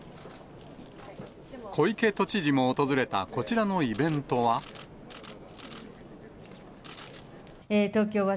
小池都知事も訪れたこちらのイベントは。